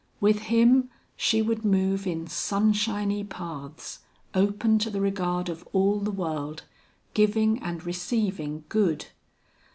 With him she would move in sunshiny paths, open to the regard of all the world, giving and receiving good.